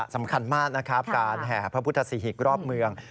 สำคัญมากนะครับการแห่พระพุทธศรีหิกรอบเมือง